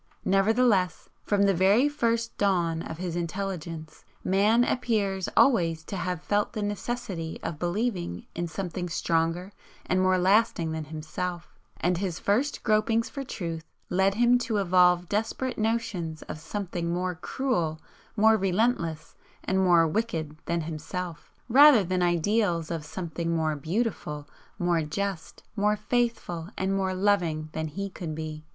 Nevertheless, from the very first dawn of his intelligence, man appears always to have felt the necessity of believing in something stronger and more lasting than himself, and his first gropings for truth led him to evolve desperate notions of something more cruel, more relentless, and more wicked than himself, rather than ideals of something more beautiful, more just, more faithful and more loving than he could be.